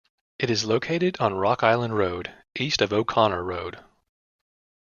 It is located on Rock Island Road, east of O'Connor Road.